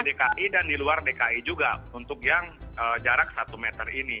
dki dan di luar dki juga untuk yang jarak satu meter ini